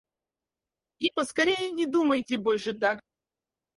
И поскорей не думайте больше так!